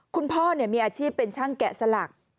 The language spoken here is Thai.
คุณพ่อมีอาชีพเป็นช่างแกะสลัก